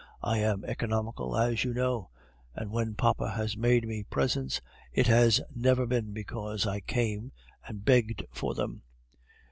I am economical, as you know; and when papa has made me presents, it has never been because I came and begged for them."